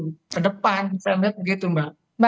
ke depan ke depan begitu mbak